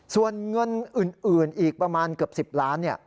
ส่วนเงินอื่นอีกประมาณเกือบ๑๐ล้าน